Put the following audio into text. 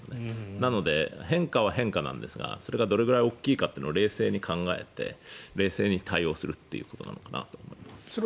なので、変化は変化なんですがそれがどのくらい大きいかというのは冷静に考えて、冷静に対応するということなのかなと思います。